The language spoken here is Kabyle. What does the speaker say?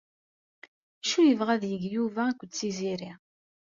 Acu yebɣa ad yeg Yuba akk d Tiziri?